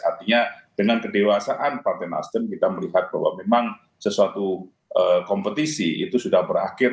artinya dengan kedewasaan partai nasdem kita melihat bahwa memang sesuatu kompetisi itu sudah berakhir